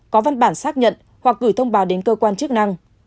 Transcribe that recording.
có văn bản xác nhận hoặc gửi thông báo đến cơ quan chức năng